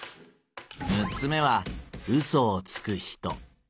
六つ目はうそをつく人。